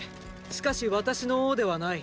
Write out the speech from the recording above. しかし私の王ではない。